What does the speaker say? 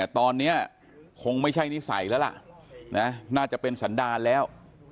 ตอนนี้คงไม่ใช่นิสัยแล้วล่ะน่าจะเป็นสันดารแล้ว